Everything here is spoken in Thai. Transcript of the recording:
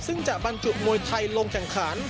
ซึ่งจะบรรจุมวยไทยลงแข่งขัน